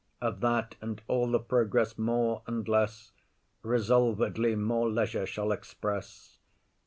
Of that and all the progress more and less, Resolvedly more leisure shall express.